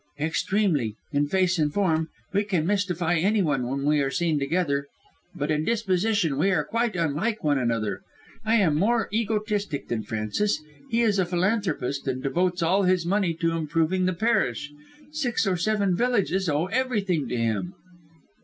"Extremely, in face and form. We can mystify anyone when we are seen together, but in disposition we are quite unlike one another. I am more egotistic than Francis. He is a philanthropist and devotes all his money to improving the parish. Six or seven villages owe everything to him."